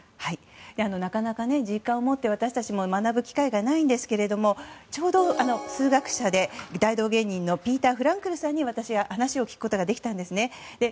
なかなか実感を持って私たちも学ぶ機会はないんですけど数学者で大道芸人のピーター・フランクルさんに私が話を聞くことができたんですね。